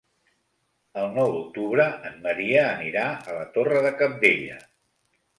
El nou d'octubre en Maria anirà a la Torre de Cabdella.